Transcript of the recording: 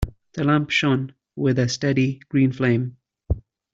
The lamp shone with a steady green flame.